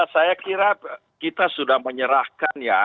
saya kira kita sudah menyerahkan ya